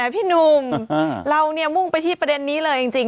พี่หนุ่มเรามุ่งไปที่ประเด็นนี้เลยจริง